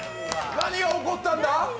何が起こったんだ？